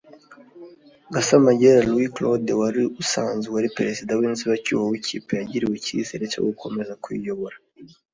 Gasamagera Louis Claude wari usanzwe ari Perezida w’inzibacyuho w’ikipe yagiriwe icyizere cyo gukomeza kuyiyobora